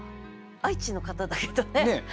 愛知の方だけどね。